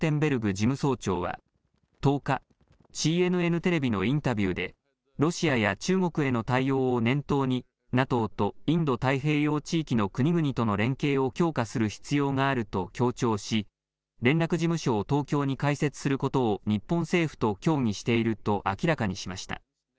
事務総長は１０日、ＣＮＮテレビのインタビューでロシアや中国への対応を念頭にＮＡＴＯとインド太平洋地域の国々との連携を強化する必要があると強調し連絡事務所を東京に開設することを日本政府と協議していると明らかにしました。